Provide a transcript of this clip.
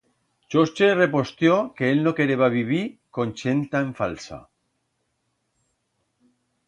Chorche repostió que él no quereba vivir con chent tan falsa.